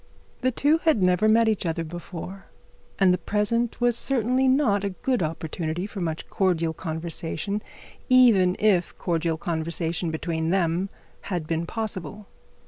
The two had never met each other before, and the present was certainly not a good opportunity for much cordial conversation, even if cordial conversation between them had been possible.